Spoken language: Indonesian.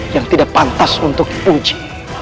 yang tidak pantas untuk diuji